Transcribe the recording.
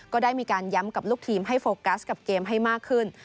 ก็ได้มีการย้ำกับลูกทีมให้โฟกัสกับเกมให้มากขึ้น